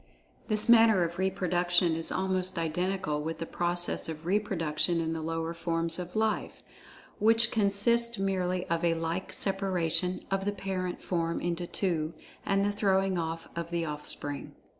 This manner of reproduction is almost identical with the process of reproduction in the lower forms of "life," which consist merely of a like separation of the parent form into two, and the throwing off of the offspring.